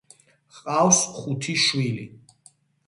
ჰყავს ხუთი შვილი.